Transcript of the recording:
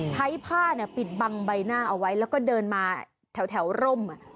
ใช้ผ้าปิดบังใบหน้าเอาไว้แล้วก็เดินมาแถวร่ม